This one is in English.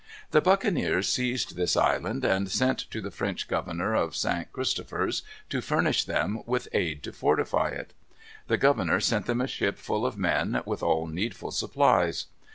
The buccaneers seized this island, and sent to the French governor of St. Christopher's to furnish them with aid to fortify it. The governor sent them a ship full of men, with all needful supplies.